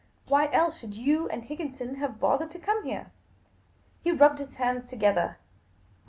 " Why else should you and Higginson have bothered to come here ?" He rubbed his hands together.